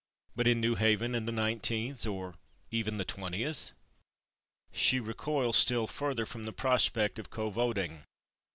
But in New Haven in the nineteenth, or even the twentieth ? She recoils still further from the prospect of covoting.